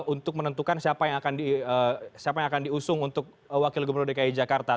untuk menentukan siapa yang akan diusung untuk wakil gubernur dki jakarta